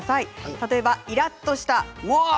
例えば、イラっとした「モ！」